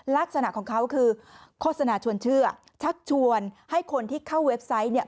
ลักษณะของเขาคือโฆษณาชวนเชื่อชักชวนให้คนที่เข้าเว็บไซต์เนี่ย